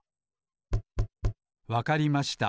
わかりました。